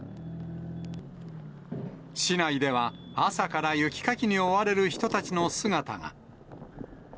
市内では、朝から雪かきに追われる人たちの姿が。